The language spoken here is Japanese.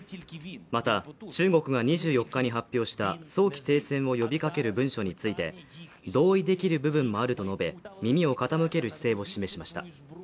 また、中国が２４日に発表した早期停戦を呼び掛ける文書について同意できる部分もあると述べ、耳を傾ける姿勢を示しました。